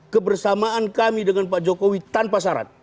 kebersamaan kami dengan pak jokowi tanpa syarat